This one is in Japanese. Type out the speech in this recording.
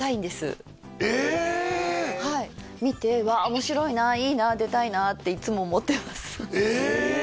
はい見てわあ面白いないいな出たいなっていっつも思ってますええ！